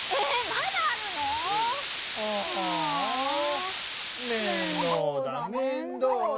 まだあるの⁉ああめんどうだめんどうだ。